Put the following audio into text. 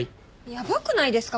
やばくないですか？